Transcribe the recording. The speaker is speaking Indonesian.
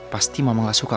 pasti mama gak suka